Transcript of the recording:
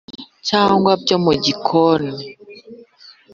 cyangwa byo mu gikoni.